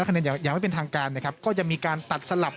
คะแนนอย่างไม่เป็นทางการนะครับก็จะมีการตัดสลับ